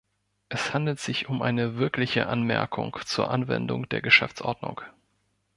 Es handelt sich um eine wirkliche Anmerkung zur Anwendung der Geschäftsordnung.